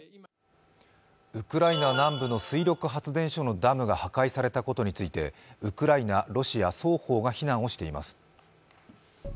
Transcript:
ウクライナ南部の水力発電所のダムが破壊されたことについてウクライナ、ロシア双方が非難をしています。